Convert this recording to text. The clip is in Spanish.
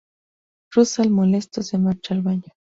Russell, molesto, se marcha al baño.